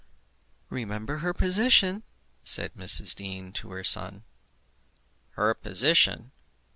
"Remember her position," said Mrs. Dean to her son. "Her position!